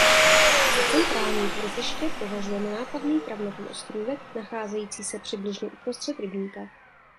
Za centrální tvrziště považuje nenápadný travnatý ostrůvek nacházející se přibližně uprostřed rybníka.